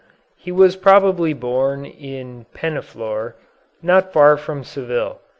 He was probably born in Penaflor, not far from Seville.